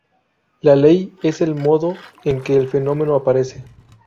La ley es el modo en que el fenómeno aparece.